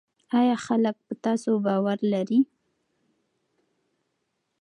آیا خلک په تاسو باور لري؟